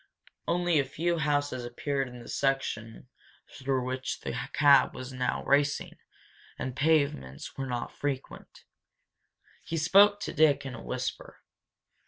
Only a few houses appeared in the section through which the cab was now racing and pavements were not frequent. He spoke to Dick: in a whisper.